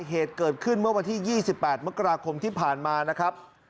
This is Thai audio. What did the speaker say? เหตุเกิดขึ้นเมื่อวันที่๒๘มกราคมที่ผ่านมานะครับ